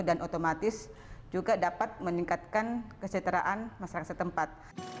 dan otomatis juga dapat meningkatkan kesejahteraan masyarakat setempat